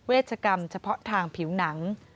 ชกรรมเฉพาะทางผิวหนัง